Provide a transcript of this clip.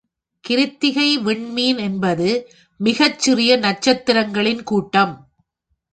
கிருத்திகை விண்மீன் என்பது மிகச்சிறிய நட்சத்திரங்களின் கூட்டம்!